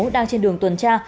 đang trên đường tuần tra